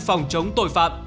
phòng chống tội phạm